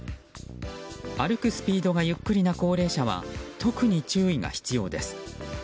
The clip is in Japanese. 歩くスピードがゆっくりな高齢者は特に注意が必要です。